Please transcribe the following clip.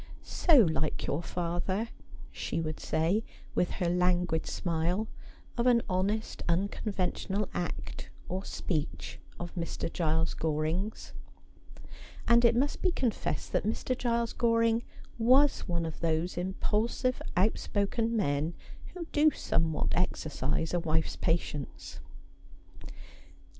' So like your father,' she would say, with her languid smile, of any honest unconventional act or speech of Mr. Giles Goring's ; and it must be confessed that Mr. Giles Goring was one of those impulsive outspoken men who do somewhat exercise a wife's patience.